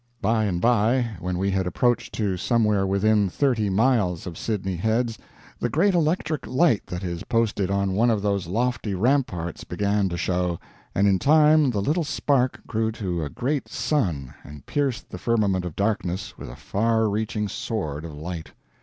By and by, when we had approached to somewhere within thirty miles of Sydney Heads the great electric light that is posted on one of those lofty ramparts began to show, and in time the little spark grew to a great sun and pierced the firmament of darkness with a far reaching sword of light.